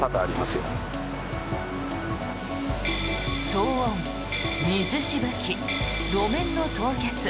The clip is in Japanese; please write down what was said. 騒音、水しぶき、路面の凍結。